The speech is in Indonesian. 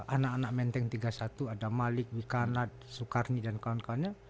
anak anak menteng tiga puluh satu ada malik wikanat sukarni dan kawan kawannya